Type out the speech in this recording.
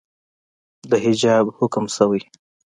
د حجاب حکم شوئ